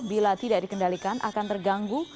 bila tidak dikendalikan akan terganggu